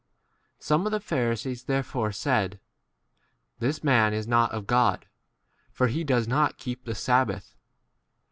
Some of the Pharisees therefore said, This man is not of God, for he does not keep the sabbath.